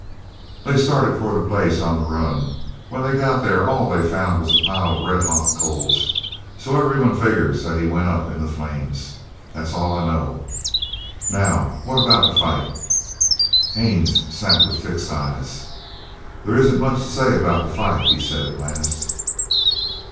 They started for the place on the run. When they got there all they found was a pile of red hot coals. So everyone figures that he went up in the flames. That's all I know. Now what about the fight?" Lee Haines sat with fixed eyes. "There isn't much to say about the fight," he said at last.